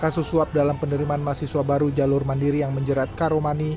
kasus suap dalam penerimaan mahasiswa baru jalur mandiri yang menjerat karomani